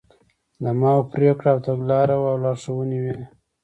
د ماوو پرېکړه او تګلاره وه او لارښوونې وې.